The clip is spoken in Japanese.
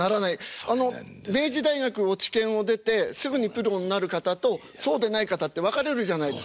あの明治大学落研を出てすぐにプロになる方とそうでない方って分かれるじゃないですか。